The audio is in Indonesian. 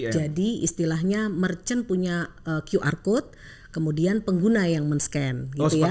jadi istilahnya merchant punya qr code kemudian pengguna yang men scan gitu ya